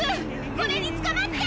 これにつかまって！